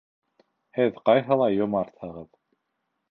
Һеҙ ҡайһылай йомартһығыҙ!